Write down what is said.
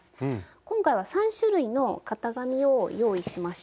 今回は３種類の型紙を用意しました。